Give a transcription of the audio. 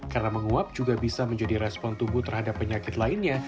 karena menguap juga bisa menjadi respon tubuh terhadap penyakit lainnya